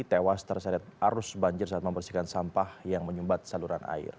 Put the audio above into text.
tewas terseret arus banjir saat membersihkan sampah yang menyumbat saluran air